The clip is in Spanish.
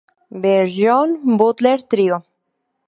Ver John Butler Trio